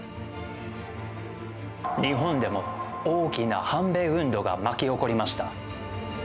日本でも大きな反米運動が巻き起こりました。